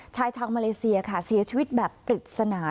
ชายชาวมาเลเซียค่ะเสียชีวิตแบบปริศนา